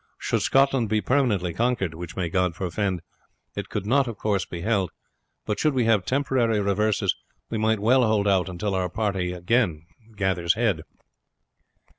Should Scotland be permanently conquered, which may God forfend, it could not, of course, be held; but should we have temporary reverses we might well hold out until our party again gather head."